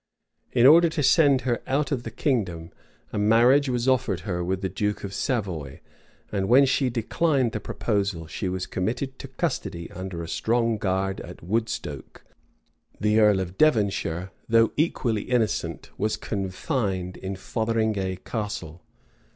[] In order to send her out of the kingdom, a marriage was offered her with the duke of Savoy; and when she declined the proposal, she was committed to custody under a strong guard at Wodestoke.[] The earl of Devonshire, though equally innocent, was confined in Fotheringay Castle.